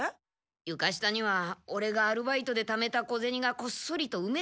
ゆか下にはオレがアルバイトでためた小ゼニがこっそりとうめてあるんだ。